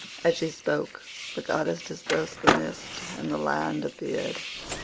As she spoke the goddess dispersed the mist and the land appeared.